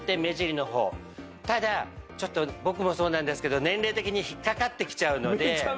ただちょっと僕もそうなんですけど年齢的に引っかかってきちゃうので。